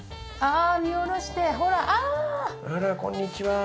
あらこんにちは。